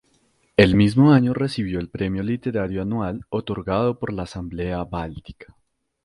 El mismo año recibió el premio literario anual otorgado por la Asamblea Báltica.